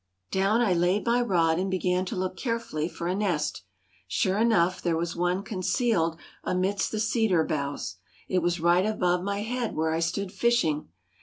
Down I laid my rod and began to look carefully for a nest. Sure enough, there was one concealed amidst the cedar boughs. It was right above my head where I stood fishing.